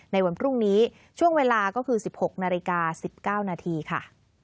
ในวันพรุ่งนี้ช่วงเวลาก็คือ๑๖นาฬิกา๑๙นาทีค่ะ